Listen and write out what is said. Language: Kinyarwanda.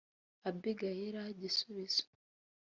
Abi Gaelle Gisubizo